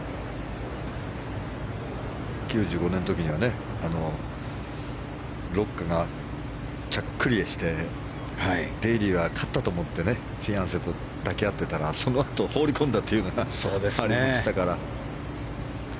９５年の時にはね、ロックがチャックリをしてデーリーが勝ったと思ってフィアンセと抱き合っていたらそのあと放り込んだというのがありましたから。